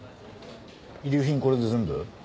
遺留品これで全部？